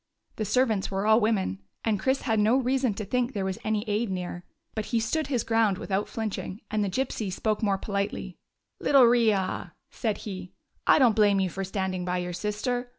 The ser vants were all women, and Chris had no reason to think there was any aid near ; but he stood his ground without flinching, and the Gypsy spoke more politely. " Little riah" said he, "I don't blame you for standing by your sister.